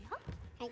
はい。